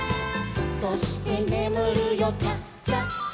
「そしてねむるよチャチャチャ」